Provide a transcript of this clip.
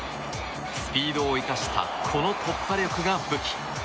スピードを生かしたこの突破力が武器。